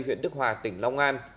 huyện đức hòa tỉnh long an